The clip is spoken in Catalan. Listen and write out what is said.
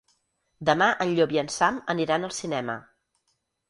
Demà en Llop i en Sam aniran al cinema.